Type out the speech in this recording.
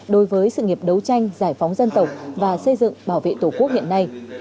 đối với sự nghiệp đấu tranh giải phóng dân tộc và xây dựng bảo vệ tổ quốc hiện nay